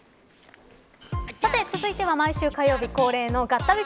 さて続いては毎週火曜日恒例のガッタビ！！